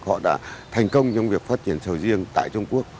họ đã thành công trong việc phát triển sầu riêng tại trung quốc